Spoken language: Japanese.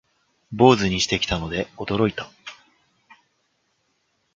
坊主にしてきたので驚いた